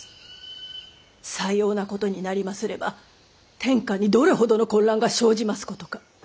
さようなことになりますれば天下にどれほどの混乱が生じますことか。